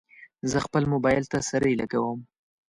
زه خپل موبایل ته سرۍ لګوم.